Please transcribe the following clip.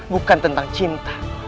bukan tentang cinta